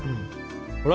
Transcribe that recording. ほら！